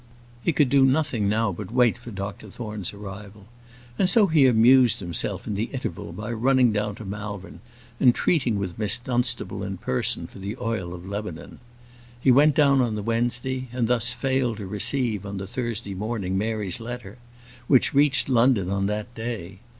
He could do nothing now but wait for Dr Thorne's arrival, and so he amused himself in the interval by running down to Malvern, and treating with Miss Dunstable in person for the oil of Lebanon. He went down on the Wednesday, and thus, failed to receive, on the Thursday morning, Mary's letter, which reached London on that day.